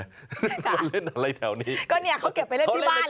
เขาเล่นอะไรแถวนี้ก็เนี่ยเขาเก็บไปเล่นที่บ้านแล้วเนี่ย